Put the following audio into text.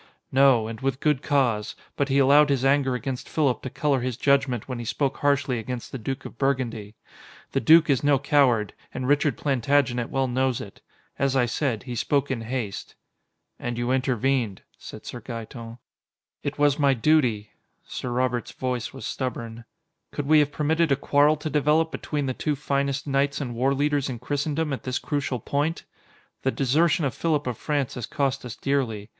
"No, and with good cause. But he allowed his anger against Philip to color his judgment when he spoke harshly against the Duke of Burgundy. The Duke is no coward, and Richard Plantagenet well knows it. As I said, he spoke in haste." "And you intervened," said Sir Gaeton. "It was my duty." Sir Robert's voice was stubborn. "Could we have permitted a quarrel to develop between the two finest knights and warleaders in Christendom at this crucial point? The desertion of Philip of France has cost us dearly.